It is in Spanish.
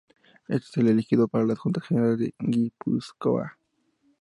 Éste es elegido por las Juntas Generales de Guipúzcoa.